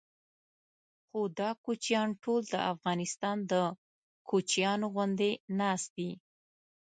خو دا کوچیان ټول د افغانستان د کوچیانو غوندې ناست دي.